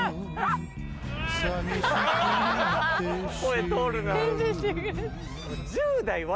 声通るな。